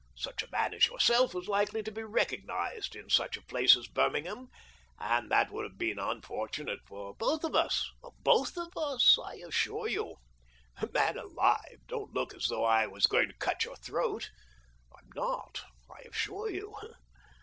Such a man as yourself was likely to be recognised in such a place as Birmingham, and that would have been unfortunate for both of us — both of us, I assure you. ... Man alive, don't look as though I was going to cut your throat ! I'm not, I assure you.